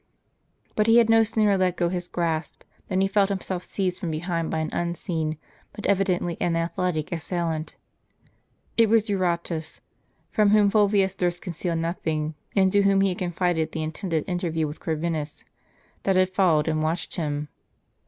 But he had no sooner let go his grasp, than he felt himself seized from behind by an unseen, but evidently an athletic, assailant. It was Eurotas, from whom Fulvius durst conceal nothing, and to whom he had confided the intended interview with Coi'vinus, that had followed and watched him.